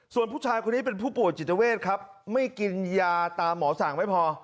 ส่วนผู้ชายคนนี้เป็นผู้ป่วยจิตเวทครับไม่กินยาตามหมอสั่งไม่พอ